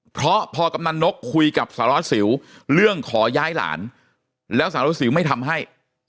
เพราะพอกำนันนกคุยกับสารวัสสิวเรื่องขอย้ายหลานแล้วสารวัสสิวไม่ทำให้